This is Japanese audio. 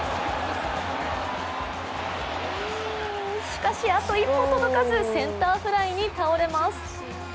しかし、あと一歩届かずセンターフライに倒れます。